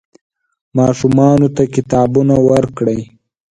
ماشومانو ته کتابونه ورکړئ.